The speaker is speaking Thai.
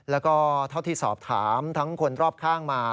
แล้วก็เท่าที่สอบถามทั้งคนรอบข้างมา